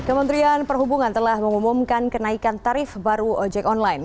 kementerian perhubungan telah mengumumkan kenaikan tarif baru ojek online